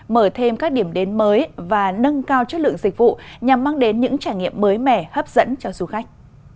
mở thêm các điểm đến mới và nâng cao chất lượng dịch vụ nhằm mang đến những trải nghiệm mới mẻ hấp dẫn cho du khách